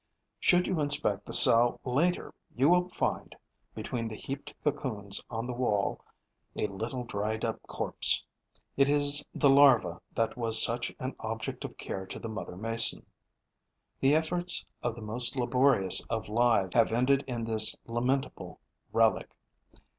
Should you inspect the cell later, you will find, between the heaped cocoons on the wall, a little dried up corpse. It is the larva that was such an object of care to the mother Mason. The efforts of the most laborious of lives have ended in this lamentable relic.